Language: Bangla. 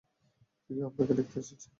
দাদা, কেউ আপনাকে দেখতে এসেছে।